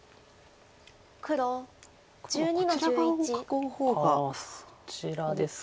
黒こちら側を囲う方が大きいですか。